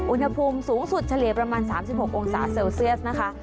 อุณหภูมิสูงสุดเฉลี่ยประมาณ๓๖องศาเซลเซียสนะคะ